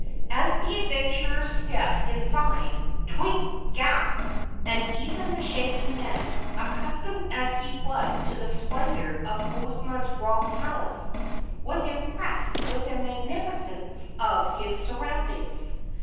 As the adventurers stepped inside, Twink gasped and even the Shaggy Man, accustomed as he was to the splendour of Ozma's Royal Palace, was impressed with the magnificence of his surroundings.